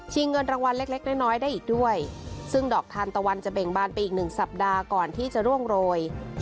เงินรางวัลเล็กเล็กน้อยน้อยได้อีกด้วยซึ่งดอกทานตะวันจะเบ่งบานไปอีกหนึ่งสัปดาห์ก่อนที่จะร่วงโรย